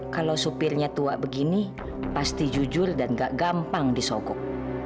kalau supirnya tua begini pasti jujur dan gak gampang disogok